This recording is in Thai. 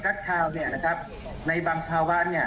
ก็อาจจะดูเป็นจานบินเล็กจันทร์